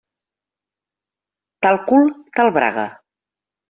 Tal cul, tal braga.